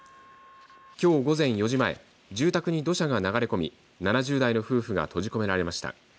きょう午前４時前住宅に土砂が流れ込み７０代の夫婦が閉じ込められました。